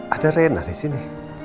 ada rena disini